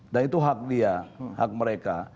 dan itu hak dia hak mereka